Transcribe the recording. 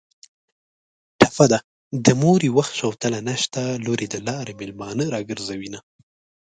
ټپه ده: د مور یې وخت شوتله نشته لور یې د لارې مېلمانه راګرځوینه